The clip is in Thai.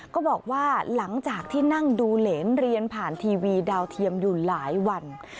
ก็บอกว่าหลังจากที่นั่งดูเหรนเรียนผ่านทีวีดาวเทียมอยู่หลายวัน